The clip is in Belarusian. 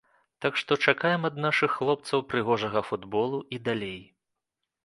Так што чакаем ад нашых хлопцаў прыгожага футбола і далей.